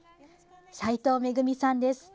齋藤恵さんです。